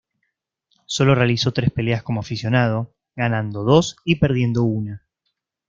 Solo realizó tres peleas como aficionado, ganando dos y perdiendo una.